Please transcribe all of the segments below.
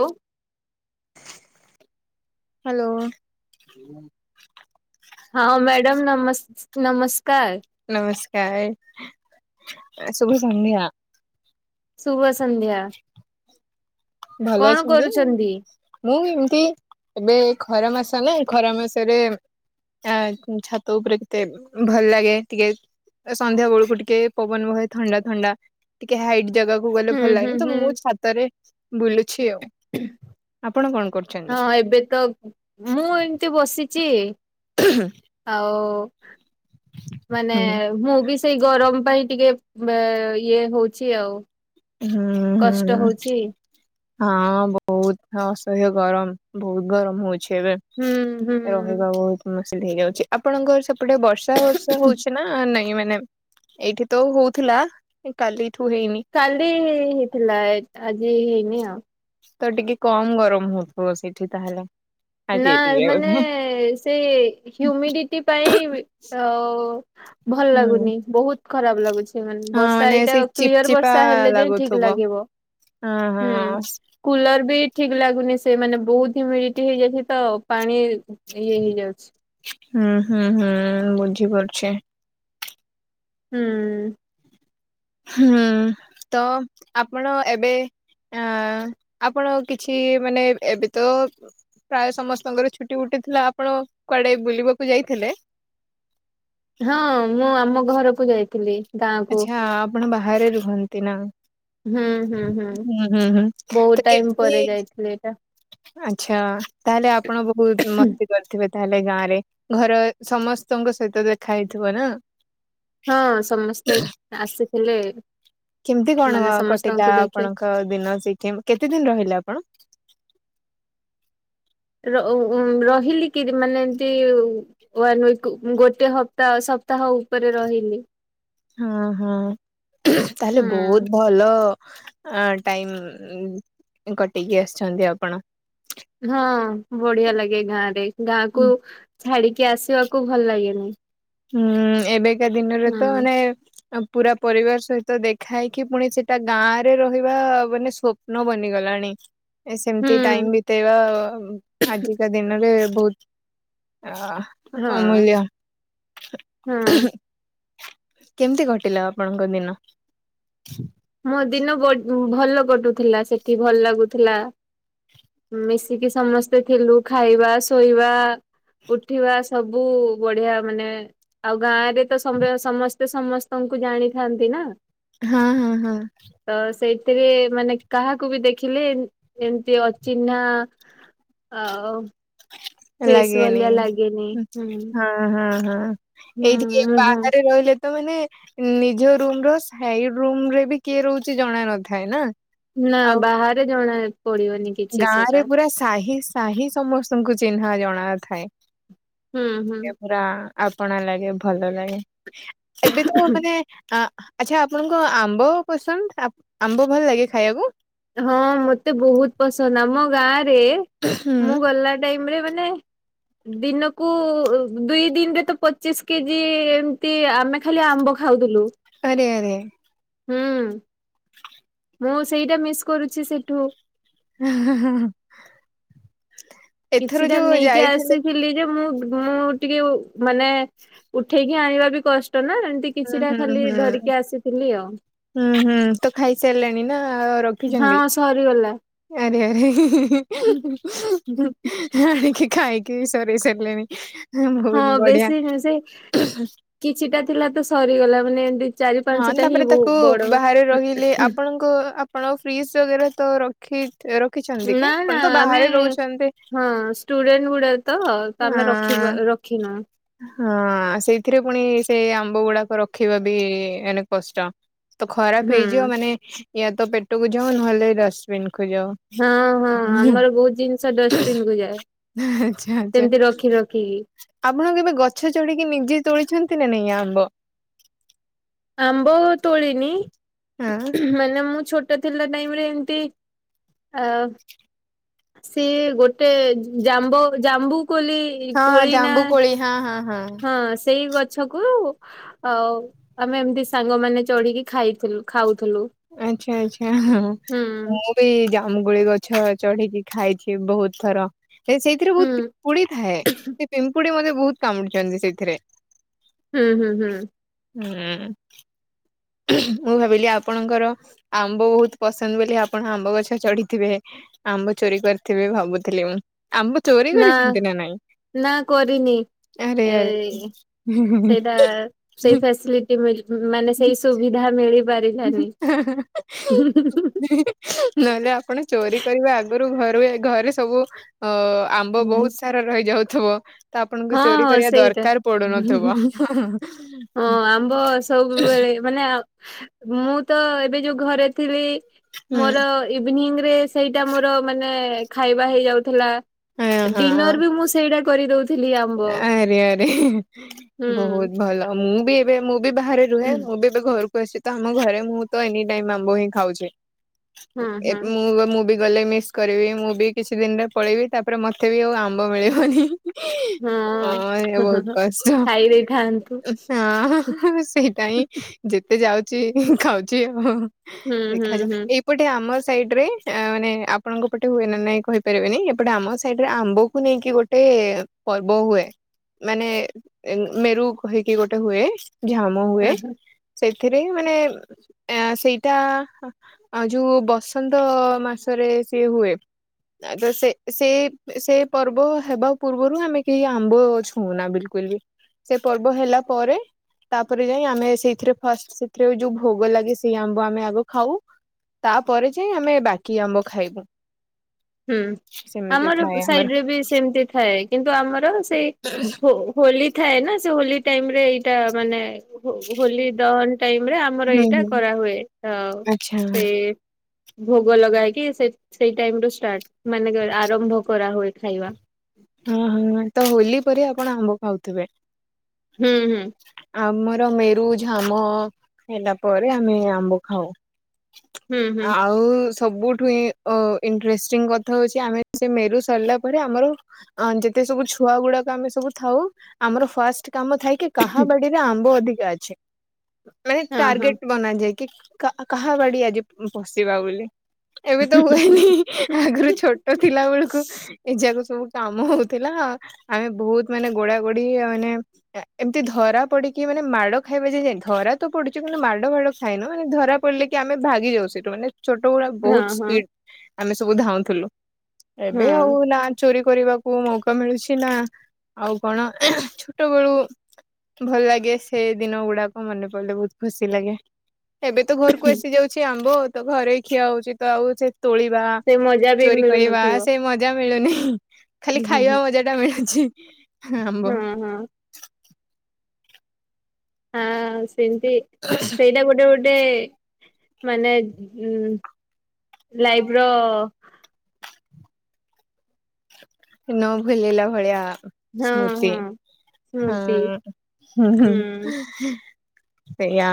ଉ ହ୍ୟାଲୋ ହଁ ମ୍ୟାଡ଼ମ ନମ ନମସ୍କାର ନମସ୍କାର ଶୁଭ ସଂନ୍ଧ୍ୟା। ଶୁଭ ସନ୍ଧ୍ୟା ଭଲ କଣ ଅଛନ୍ତି କରୁଛନ୍ତି? ମୁଁ ଏମିତି ଏବେ ଖରା ମାସ ନା ଖରା ମାସରେ ଆ ଛାତ ଉପରେ କେତେ ଭଲ ଲାଗେ ଟିକେ ସନ୍ଧ୍ୟା ବେଳକୁ ଟିକେ ପବନ ଭଏ ଥଣ୍ଡା ଥଣ୍ଡା ଟିକେ ହାଇଟ୍ ଜାଗା ଗଲେ ହୁଁ ଭଲ ହୁଁ ଲାଗେନି ତ ହୁଁ ମୁଁ ଛାତରେ ବୁଲୁଛି ଆଉ ଆପଣ କଣ କରୁଛନ୍ତି? ହଁ ଏବେ ତ ମୁଁ ଏମତି ବସିଛି ଆଉ ମାନେ ହୁଁ ମୁଁ ବି ସେଇ ଗରମ ପାଇଁ ଟିକେ ଇଏ ହଉଛି ଆଉ ହୁଁ କଷ୍ଟ ହୁଁ ହଉଚି ହଁ ବହୁତ ଅସହ୍ୟ ଗରମ ବହୁତ ଗରମ ହଉଛି। ଏବେ ହୁଁ ହୁଁ। ରହିବା ବହୁତ ମସ ହେଇଯାଉଛି। ଆପଣଙ୍କର ସେପଟେ ବର୍ଷା ବର୍ଷା ହଉଛି ନା ନାଇଁ ମାନେ ଏଇଠି ତ ହଉଥିଲା କାଲି ଏଇଠୁ ହେଇନି। କାଲି ହେଇଥିଲା ଆଜି ହେଇନି ଆଉ ତ ଟିକେ କମ ଗରମ ହଉଥିବ ସେଇଠି ତାହେଲେ ଆଜି ନା ଏତିକି ମାନେ ବୋଧେ। ସେଇ ହ୍ୟୁମିଡିଟି ପାଇଁ ଅ ଭଲ ହୁଁ ଲାଗୁନି ବହୁତ ଖରାପ ଲାଗୁଛି। ସେମାନେ ହଁ ବର୍ଷା ମାନେ ଏଇଟା ସେଇ କ୍ଲିଅର ଚିପଚିପା ବର୍ଷା ହେଲେ ଯାଇ ଠିକ୍ ଲାଗୁଥିବ। ଲାଗିବ ହଁ ହଁ ହୁଁ। କୁଲରବି ଠିକ୍ ଲାଗୁନି ସେମାନେ ବହୁତ୍ ହ୍ୟୁମିଡିଟି ହେଇଯାଇ ହିତ ପାଣି ଇଏ ହେଇଯାଉଛି। ହୁଁ ହୁଁ ହୁଁ ବୁଝି ପାରୁଛି। ହୁଁ। ହୁଁ ତ ଆପଣ ଏବେ ଅ ଆପଣ କିଛି ମାନେ ଏବେତ ପ୍ରାୟ ସମସ୍ତଙ୍କର ଛୁଟି ବୁଟି ଥିଲା ଆପଣ କୁଆଡ଼େ ବୁଲିବାକୁ ଯାଇଥିଲେ? ହଁ ମୁଁ ଆମ ଘରକୁ ଯାଇଥିଲି। ଗାଁକୁ ଆଚ୍ଛା ଆପଣ ବାହାରେ ରୁହନ୍ତିନା? ହୁଁ ହୁଁ ହୁଁ ହୁଁ ହୁଁ ବହୁତ ତ ଟାଇମ କେମିତି ପରେ ଯାଇଥିଲି ଏଇଟା ଆଚ୍ଛା ତାହେଲେ ଆପଣ ବହୁତ ମସ୍ କରିଥିବେ ତାହେଲେ ଗାଁରେ ଘର ସମସ୍ତଙ୍କ ସହିତ ଦେଖା ହେଇଥିବନା? ହଁ ସମସ୍ତେ ଆସିଥିଲେ। କେମିତି କଣ ମାନେ କଟିଲା ସମସ୍ତଙ୍କୁ ଦେଖି ଆପଣଙ୍କ ଦିନ ସେଇଠି କେତେ ଦିନ୍ ରହିଲେ ଆପଣ? ର ଉ ରହିଲିକି ମାନେ ଏମିତି ୱନ୍ ୱିକୁ ଗୋଟେ ହପ୍ତାହ ସପ୍ତାହ ଉପରେ ରହିଲି। ହଁ ହଁ ତାହେଲେ ହୁଁ ବହୁତ୍ ଭଲ। ଆଁ ଟାଇମ୍ କଟେଇକି ଆସିଚନ୍ତି ଆପଣ। ହଁ ବଢିଆ ଲାଗେ ଗାଁରେ ଗାଁକୁ ଛାଡ଼ିକି ଆସିବାକୁ ଭଲ ଲାଗେନି। ହୁଁ ଏବେକା ଦିନରେତ ହୁଁ ମାନେ ଆ ପୁରା ପରିବାର ସହିତ ଦେଖା ହେଇକି ପୁଣି ସେଟା ଗାଁରେ ରହିବା ମାନେ ସ୍ୱପ୍ନ ବନିଗଲାଣି। ଏ ସେମିତି ଟାଇମ୍ ହୁଁ ବି ତେବା ଆଜିକା ଦିନରେ ବହୁତ୍ ଅ ହଁ ଅମୂଲ୍ୟ ହଁ କେମିତି ଘଟିଲା ଆପଣଙ୍କ ଦିନ? ମୋ ଦିନ ବ ଭଲ କଟୁଥିଲା ସେଠି ଭଲ ଲାଗୁଥିଲା। ମିଶିକି ସମସ୍ତେ ଥିଲୁ ଖାଇବା ଶୋଇବା ଉଠିବା ସବୁ ବଢ଼ିଆ ମାନେ ଆଉ ଗାଁରେତ ସ ସମସ୍ତେ ସମସ୍ତଙ୍କୁ ଜାଣିଥାନ୍ତିନା। ହଁ ହଁ ହଁ। ତ ସେଇଥିରେ ମାନେ କାହାକୁବି ଦେଖିଲେ ଯେମିତି ଅଚିହ୍ନା ଆଉ? ଫେସ୍ ଲାଗେନି ଭଳିଆ ଲାଗେନି ହୁଁ। ହଁ। ଓ ହଁ ହଁ ହୁଁ ଏଇଠିକି ହୁଁ ହୁଁ। ଏବାହାରେ ରହିଲେ ତ ମାନେ ନିଜ ରୁମର ସାଇଡ଼ ରୁମରେବି କିଏ ରହୁଚି ଜଣା ନଥାଏନା। ନା ବାହାରେ ଜଣା ପଡିବନି କିଛି ଗାଁରେ ସେଟା ପୁରା ସାହିସ୍ ସାହି ସମସ୍ତଙ୍କୁ ଚିହ୍ନା ଜଣା ଥାଏ ହୁଁ ହୁଁ। ଏପୁରା ଆପଣା ଲାଗେ ଭଲ ଲାଗେ ଏବେତ ମାନେ ଆ ଆଚ୍ଛା ଆପଣଙ୍କ ଆମ୍ବ ପସନ୍ଦ ଆମ୍ବ ଭଲ ଲାଗେ ଖାଇବାକୁ? ହଁ ମତେ ବହୁତ୍ ପସନ୍ଦ ଆମ ଗାଁରେ ହୁଁ ମୁଁ ଗଲା ଟାଇମରେ ମାନେ ଦିନକୁ ଦୁଇ ଦିନରେତ ପଚିଶି କେଜି ଏମିତି ଆମେ ଖାଲି ଆମ୍ବ ଖାଉଥୁଲୁ। ଆରେ ଆରେ। ହୁଁ ମୁଁ ସେଇଟା ମିସ୍ କରୁଚି ସେଠୁ। [unintelligible] ଏଥର କିଛିଟା ଯୋଉ ନେଇକି ଯାଇଥିଲେ ଆସିଥିଲି। ଯେ ମୁଁ -ମୁଁ ଟିକେ ମାନେ ଉଠେଇକି ଆଣିବା ବି କଷ୍ଟ ନା। ଏଁତି ହୁଁ କିଛିଟା ହୁଁ ଖାଲି ହୁଁ ଧରିକି ଆସିଥିଲି ଆଉ। ହୁଁ, ହୁଁ ତ ଖାଇ ସାରିଲେଣି ନା ଆ-ଆ ରଖ୍ ଖିଛନ୍ତି ହଁ ସରିଗଲା। ଆରେ ଆରେ [unintelligible] ଆଣିକିି ଖାାଇକି ସରେଇ ସାରିଲେଣି। ବହୁତ ହଁ, ବଢିଆ। ବେଶୀ ସେ କିଛିଟା ଥିଲା ତ, ସରିଗଲା ମାନେ ଏଁତି ହଁ, ତା'ପରେ ତାକୁ ବାହାରେ ରହିଲେ। ଆପଣଙ୍କ ଆପଣ ଫ୍ରିଜ୍ ବଗେରା ତ ରଖି ରଖିଛନ୍ତି କି ନାଁ, ଆପଣ ନାଁ, ତ ଆମେ ବାହାରେ ରହୁଛନ୍ତି। ହଁ, ଷ୍ଟୁଡେଣ୍ଟ ଗୁଡ଼ା ତ, ତ ଆମେ ରଖି ହଁ ପା ରଖ୍ ଖିନୁ। ହଁ, ସେଇଥିରେ ପୁଣି ସେଇ ଆମ୍ବ ଗୁଡ଼ାକ ରଖିବା ବି, ଏଇନେ କଷ୍ଟ। ତ ଖରାପ ହୁଁ ହେଇଯିବ ମାନେ, ୟା ତ ପେଟକୁ ଯାଉ, ନହେଲେ ଡଷ୍ଟବିନକୁ ଯାଉ। ହଁ, ହଁ, ଆମର ବହୁତ ଜିନିଷ ଡଷ୍ଟବିିନ୍ କୁ ଯାଏ। ଆଚ୍ଛା ଆଚ୍ଛା। ସେମିତି ରଖି ରଖିକି। ଆପଣ କେବେ ଗଛରେ ଚଢି଼କି ନିଜେ ତୋଳିଛନ୍ତି ନା, ନାଇଁ ଆମ୍ବ? ଆମ୍ବ ତୋଳିନି, ହଁ ମାନେ ମୁଁ ଛୋଟ୍ ତ ଥିଲା ଟାଇମ୍ ରେ ଏମତି ଆ ସିଏ ଗୋଟେ ଜାମ୍ବ ଜାମ୍ବୁ କୋଲି ହଁ, କୋଳି ନା ଜାମ୍ବୁ କୋଳି ହଁ, ହଁ, ହଁ। ହଁ, ସେଇ ଗଛ କୁ ଆଉ ଆମେ ଏମତି ସାଙ୍ଗମାନେ ଚଢି଼ କି ଖାଇଥିଲୁ, ଖାଉଥିଲୁ। ଆଚ୍ଛା, ଆଚ୍ଛା ହୁଁ ମୁଁ ବି ଜାମୁ କୋଳି ଗଛ ଚଢି଼ କି ଖାଇଛି, ବହୁତ ଥର। ଏ ସେଇଥିରେ ବହୁତ ହୁଁ। ପିମ୍ପୁଡ଼ି ଥାଏ। ସେ ପିମ୍ପୁଡ଼ି ମତେ ବହୁତ କାମୁଡ଼ିଛନ୍ତି ସେଇଥିରେ। ହୁଁ ହୁଁ ହୁଁ। ହୁଁ। ମୁଁ, ଭାବିଲି ଆପଣଙ୍କର ଆମ୍ବ ବହୁତ ପସନ୍ଦ ବୋଲି, ଆପଣ ଆମ୍ବ ଗଛ ଚଢି଼ ଥିବେ। ଆମ୍ବ ଚୋରି କରିଥିବେ ଭାବୁଥିଲି ମୁଁ। ଆମ୍ବ ଚୋରି କରିଛନ୍ତି ନା ନାଇଁ? ନା, କରିନି। ଆରେ ଏଇ ଆରେ। ସେଇଟା ସେଇ ଫେସିଲି [unintelligible] ମାନେ ସେଇ ସୁବିଧା ମିଳି ପାରିଲାନି। [unintelligible] ନହେଲେ ଆପଣ ଚୋରି କରିବା ଆଗରୁ ଘରୁ ଏ ଘରେ ସବୁ ଅ-ଆମ୍ ମ୍ବ ହଁ ବହୁତ ସାରା ରହିଯାଉଥୁବ। ତ ଆପଣଙ୍କୁ ଚୋରି ହଁ କରିବା ସେଇଟା। ଦରକାର ପଡ଼ୁନଥୁବ। ହଁ ଆମ୍ବ ସବୁବେଳେ ମାନେ ମୁଁ ତ, ଏବେ ଯୋଉ ଘରେ ଥିଲି, ହୁଁ ମୋର ଇଭିନିଂ ରେ ସେଇଟା ମୋର ମାନେ ଖାଇବା ହେଇଯାଉଥିଲା। ହଁ ହଁ ଡିନର ବି ମୁଁ, ସେଇଟା କରି ଦଉ ଆରେ ଆରେ [unintelligible] ହୁଁ। ବହୁତ ଭଲ। ମୁଁ ବି ଏବେ, ମୁଁ ବି ବାହାରେ ରୁହେ। ମୁଁ ବି ତ, ଘରକୁ ଆସିଛି ତ, ଆମ ଘରେ ମୁଁ ତ ଏନି ଟାଇମ୍ ଆମ୍ବ ହିଁ ଖାଉଛି। ହୁଁ ଏ ହୁଁ ମୁଁ, ମୁଁ ବି ଗଲେ ମିସ୍ କରିବି, ମୁଁ ବି କିଛି ଦିନରେ ପଳେଇବି। ତା'ପରେ ମତେ ବି ଆଉ ଆମ୍ବ ମିଳିବନି। [unintelligible] ହଁ, ଏଇ ବହୁତ କଷ୍ଟ। ଖାଇ ଦେଇଥାନ୍ତୁ। ହଁ, ହଁ, ହଁ ହ ସେଇଟା ହିଁ ଯେତେ ଯାଉଚି, ଖାଉଛି ଆଉ-ଉ। ହୁଁ ହୁଁ ଦେଖାଯା, ହୁଁ ଏ ଏପଟେ ଆମ ସାଇଡ୍ ରେ ମାନେ ଆପଣଙ୍କ ପଟେ ହୁଏ ନା ନାହିଁ କହିପାରିବିନି? ଏପଟେ ଆମ ସାଇଡ୍ ରେ ଆମ୍ବକୁ ନେଇକି ଗୋଟେ ଟେ-ଏ ପର୍ବ ହୁଏ ମାନେ ମେରୁ କହିକି ଗୋଟେ ହୁଏ ଝା ମ ହୁଏ ଆହା ସେଥିରେ ମାନେ ଏଁ ସେଇଟା ଆଉ ଯୋଉ ବସନ୍ତ ମାସରେ ସିଏ ହୁଏ। ଆଇଦର ସେ ସେ ସେ ପର୍ବ ହେବା ପୂର୍ବରୁ ଆମେ କେହି ଆମ୍ବ ଛୁଉଁନା ବିଲକୁଲ ବି ସେ ପର୍ବ ହେଲା ପରେ ତାପରେ ଯାଇଁ ଆମେ ସେଇଥିରେ ଫାଷ୍ଟ ସେଥିରେ ଯୋଉ ଭୋଗ ଲାଗେ ସେଇ ଆମ୍ବ ଆମେ ଆଗ ଖାଉ। ତାପରେ ଯାଇଁ ଆମେ ବାକି ଆମ୍ବ ଖାଇବୁ। ହୁଁ ସେମିତି ଆମର ଥାଏ ସାଇଡ ରେ ବି ସେମିତି ଥାଏ କିନ୍ତୁ ଆମର ସେଇ ହୁ ହୋଲି ଥାଏ ନା ସେ ହୋଲି ଟାଇମ ରେ ଏଇଟା ମାନେ ହୋଲି ଦହନ ଟାଇମି ରେ ଆମର ହୁଁ ଏଇଟା ହୁଁ। କରାହୁଏ ଆଉ ଆଚ୍ଛା ସେ ଭୋଗ ଲଗାଇକି ସେ ସେଇ ଟାଇମ ରୁ ଷ୍ଟାର୍ଟ ମାନେ ଆରମ୍ଭ କରା ହୁଏ ଖାଇବା। ହଁ ହଁ ତ ହୋଲି ପରେ ଆପଣ ଆମ୍ବ ଖାଉଥିବେ? ହୁଁ ହୁଁ। ଆମର ମେରୁ ଝାମ ହେଲା ପରେ ଆମେ ଆମ୍ବ ଖାଉ। ହୁଁ ହୁଁ ଆଉ ସବୁଠୁିଁ ଅ ଏଣ୍ଟରେଷ୍ଟି କଥା ହୋଉଚି ଆମେ ସେ ମେରୁ ସରିଲା ପରେ ଆମର ଅ ଯେତେ ସବୁ ଛୁଆ ଗୁଡାକ ଆମେ ସବୁ ଥାଉ ଆମର ଫାଷ୍ଟ କାମ ଥାଏ କି କାହା ବାଡିରେ ଆମ୍ବ ଅଧିକା ଅଛି ମାନେ ହଁ ହଁ। ଟାର୍ଗେଟ ବନାଯାଏ କି କାହା କାହା ବାଡି ଆଜି ପସିବା ବୋଲି ଏବେ ତ ହୁଏନି। ଆଗରୁ ଛୋଟ ଥିଲା ବେଳକୁ ଏ ଯାକ ସବୁ କାମ ହୋଉଥିଲା ଆମେ ବୋହୁତ ମାନେ ଗୋଡା ଗୋଡି ଆଉ ମାନେ ଏମିତି ଧରା ପଡିକି ମାନେ ମାଡ଼ ଖାଇବା ଯ ଯାଇ ଧରା ତ ପଡୁଛି କିନ୍ତୁ ମାଡ ଫାଡ ଖାଇନୁ ମାନେ ଧରା ପଡିଲେ କି ଆମେ ଭାଗି ଯାଉ ସେଠୁ ମାନେ। ଛୋଟ ଗୁଡା ହଁ ବୋହୁତ ହଁ ସ୍ପିଡ ଆମେ ସବୁ ଧାଉଁଥିଲୁ ଏବେ ଆଉ ହଁ ନା ଚୋରି କରିବାକୁ ମୌକା ମିଳୁଛି ନା ଆଉ କଣ ଛୋଟ ବେଳୁ ଭଲ ଲାଗେ ସେ ଦିନ ଗୁଡାକ ମନେ ପଡିଲେ ବୋହୁତ ଖୁସି ଲାଗେ। ଏବେ ତ ଘରକୁ ଆସି ଯାଉଛି ଆମ୍ବ ତ ଘରେ ଖିଆ ହୋଉଚି ତ ଆଉ ସେ ତୋଳିବା ସେ ମଜା ବି ଚୋରି କରିବା ମିଳୁନଥିବ। ସେ ମ ମଜା ମିଳୁନି ଖାଲି ଖାଇବା ମଜା ଟା ମିଳୁଛି। ଆମ୍ବ ହଁ ହଁ। ହଁ ସେମତି ସେଇଟା ଗୋଟେ ଗୋଟେ ମାନେ ଉଁ ଲାଇଫ ର ନ ଭୁଲିଲା ଭଳିଆ ହଁ ସ୍ମୃତି ହଁ ହଁ ସ୍ମୃତି ହୁଁ ହୁଁ। ସେଇଆ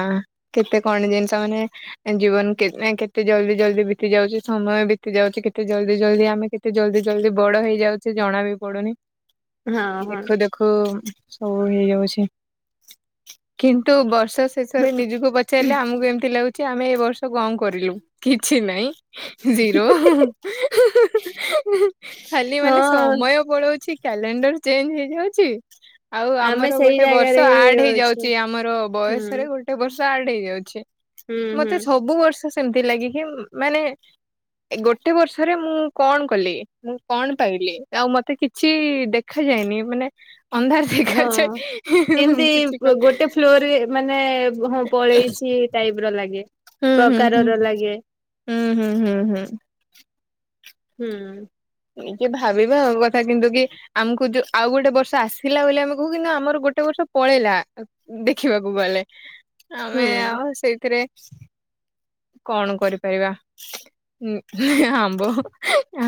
କେତେ କଣ ଜିନିଷ ମାନେ ଏ ଜୀବନ କେତେନ୍ କେତେ ଜଲ୍ଦୀ ଜଲ୍ଦୀ ବିତି ଯାଉଚି ସମୟ ବିତି ଯାଉଚି କେତେ ଜଲ୍ଦୀ ଜଲ୍ଦୀ ଆମେ କେତେ ଜଲ୍ଦୀ ଜଲ୍ଦୀ ବଡ ହେଇଯାଉଚେ ଜଣା ବି ପଡୁନି ହଁ କି ହଁ। ଦେଖ ଦେ ଖୁ ସବୁ ହେଇଯାଉଛି କିନ୍ତୁ ବର୍ଷ ଶେଷରେ ନିଜୁକୁ ପ ଚାରିଲେ ଆମକୁ ଏମତି ଲାଗୁଛି ଆମେ ଏ ବର୍ଷ କଁ କରିଲୁ କିଛି ନହିଁ। ଜିରୋ ଖାଲି ମାନେ ହଁ ସମୟ ପଳଉ ଛି କ୍ୟାଲେଣ୍ଡର ଚେଞ୍ଜ ହେଇଯାଉଚି। ଆଉ ଆମେ ଆମର ସେଇ ଗୋଟେ ବର୍ଷ ଜାଗାରେ ହିଁ ଆଡ ଅଛୁ। ହେଇଯାଉଚି ଆମର ହୁଁ ବୟସରେ ଗୋ ଟେ ବର୍ଷ ଆଡ ହେଇଯାଉଛି ହୁଁ ହୁଁ ମତେ ସବୁ ବର୍ଷ ସେ ସେମିତି ଲାଗିକି ମାନେ ଏ ଗୋଟେ ବର୍ଷରେ ମୁଁ କଣ କଲି ମୁଁ କଣ ପାଇଲି ଆଉ ମତେ କିଛି ଦେଖାଯାଏନି ମାନେ ଅନ୍ଧାର ହଁ ଦେଖାଯାଏ କିଛି ଏମିତି ଗୋଟେ ଫ୍ଲୋରରେ ମାନେ ହଁ ପଳେଇଛି ଟାଇପ ର ଲାଗେ। ହୁଁ ହୁଁ ହୁଁ ପ୍ରକାରର ଲାଗେ ହୁଁ ହୁଁ ହୁଁ ହୁଁ। ହୁଁ ଟିକେ ଭାବିବା ଆଉ କଥା କିନ୍ତୁ କି ଆମକୁ ଯୋଉ, ଆଉ ଗୋଟେ ବର୍ଷ ଆସିଲା ବୋଲି ଆମେ କହୁ, କିନ୍ତୁ ଆମର ଗୋଟେ ବର୍ଷ ପଳେଇଲା। ଦେଖିବାକୁ ଗଲେ, ହୁଁ ଆମେ ଆଉ ସେଇଥିରେ କଣ କରିପାରିବା ଉଁ ହାଁ ହାଁ ଆମ୍ବ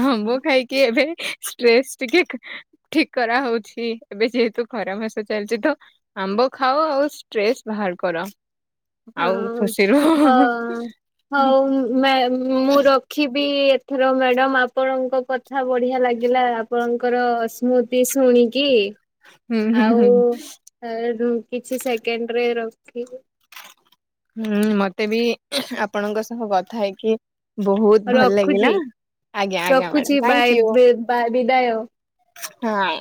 ଆମ୍ବ ଖାଇକି ଏବେ ଷ୍ଟ୍ରେସ୍ ଟିକେ ଠିକ କରାହଉଛି, ଏବେ ଯେହେତୁ ଖରା ମାସ ଚାଲିଛି ତ। ଆମ୍ବ ଖାଅ ଆଉ ଷ୍ଟ୍ରେସ୍ ବାହାର କର। ଆଉ ହଁ ଖୁସି ରୁହ ହୁଁ ହଁ ହଉ ମେ ମୁ ରଖୁ ରଖିବି, ଏଥର ମ୍ୟାଡ଼ମ୍ ଆପଣଙ୍କ କଥା ବଢିଆ ଲାଗିଲା, ଆପଣଙ୍କର ସ୍ମୃ ଶୁଣିକି ହୁଁ ଆଉ ହୁଁ। କିଛି ସେକେଣ୍ଡରେ ରଖିବି ହୁଁ ମତେ ବି ଆପଣଙ୍କ ସହ କଥା ହେଇକି ବହୁତ ଭଲ ଲାଗିଲା, ରଖୁଛି ଆଜ୍ଞା ଆଜ୍ଞା ରଖୁଛି ମ୍ୟାଡାମ ବାଏ ଥ୍ୟାଙ୍କ୍ୟୁ। ବିଦାୟ। ହଁ।